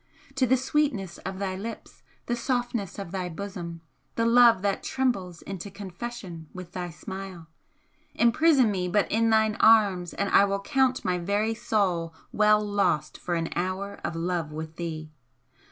to the sweetness of thy lips, the softness of thy bosom the love that trembles into confession with thy smile! Imprison me but in thine arms and I will count my very soul well lost for an hour of love with thee!